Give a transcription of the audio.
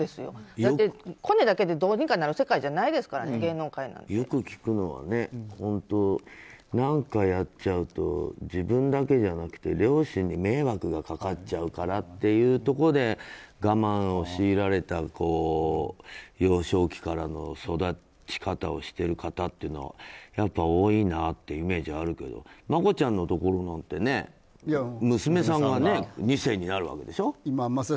だって、コネだけでどうにかなる世界じゃないですからよく聞くのは何かやっちゃうと自分だけじゃなくて両親に迷惑がかかっちゃうからっていうところで我慢を強いられた幼少期からの育ち方をしている方っていうのはやっぱり多いなってイメージはあるけどマコちゃんのところなんてね娘さんが２世になるわけでしょ。